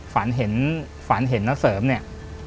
ฝันเห็นนักเสริมเนี่ย